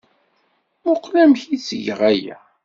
Mmuqqel amek ay ttgeɣ aya!